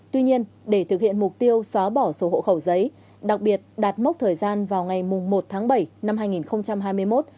tuy nhiên để thực hiện mục tiêu xóa bỏ sổ hộ khẩu giấy đặc biệt đạt mốc thời gian vào ngày một tháng bảy năm hai nghìn hai mươi một